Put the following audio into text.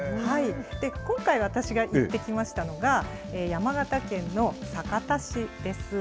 今回、私が行ってきましたのが、山形県の酒田市です。